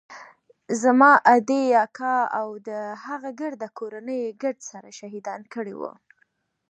زما ادې اکا او د هغه ګرده کورنۍ يې ګرد سره شهيدان کړي وو.